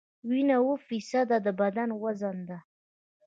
وینه اووه فیصده د بدن وزن ده.